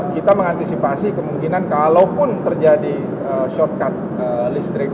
kita mengantisipasi kemungkinan kalaupun terjadi shortcut listrik